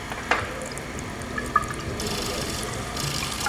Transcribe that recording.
Tím si Turecko samo usnadní cestu k přistoupení.